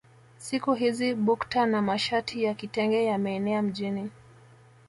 Siku hizi bukta na mashati ya kitenge yameenea mjini